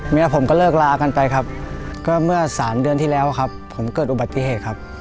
เมียผมก็เลิกลากันไปครับก็เมื่อสามเดือนที่แล้วครับผมเกิดอุบัติเหตุครับ